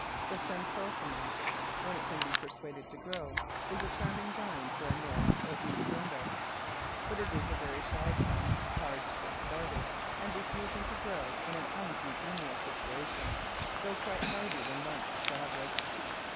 The Centrosema — when it can be persuaded to grow — is a charming vine for a north or east window, but it is a very shy plant, hard to get started, and refusing to grow in an uncongenial situation, though quite hardy when once established.